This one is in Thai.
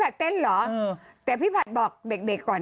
ไม่และอยู่ยักษ์